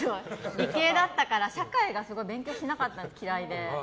理系だったから社会は嫌いで勉強しなかったんです。